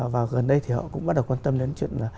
và gần đây họ cũng bắt đầu quan tâm đến chuyện